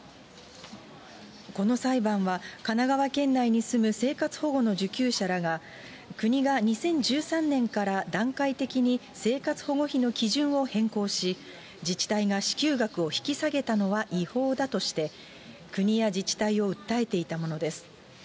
この裁判は、神奈川県内に住む生活保護の受給者らが国が２０１３年から段階的に生活保護費の基準を変更し、自治体が支給額を引き下げたのは違法だとして、国や自治体を訴えていたものです。